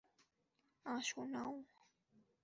আসো, নাও।